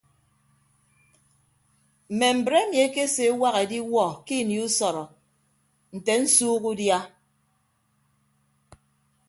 Mme mbre emi ekeseewak ediwuọ ke ini usọrọ nte nsuuk udia.